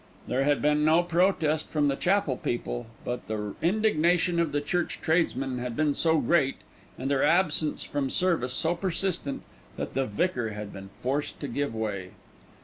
There had been no protest from the chapel people, but the indignation of the church tradesmen had been so great, and their absence from service so persistent, that the vicar had been forced to give way.